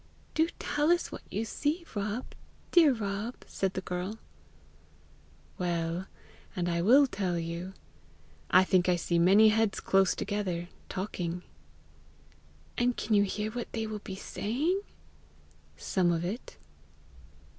"Do tell us what you see, Rob, dear Rob," said the girl. "Well, and I will tell you. I think I see many heads close together, talking." "And can you hear what they will be saying?" "Some of it."